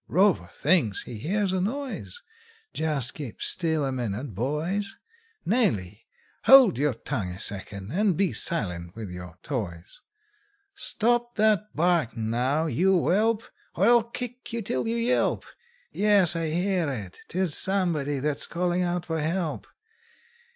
Rover thinks he hears a noise! Just keep still a minute, boys; Nellie, hold your tongue a second, and be silent with your toys. Stop that barkin', now, you whelp, Or I'll kick you till you yelp! Yes, I hear it; 'tis somebody that's callin' out for help.